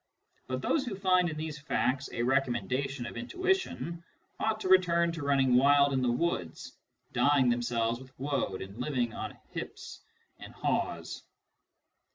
But those who find in these facts a recommendation of intuition ought to return to running wild in the woods, dyeing themselves with woad and living on hips and haws.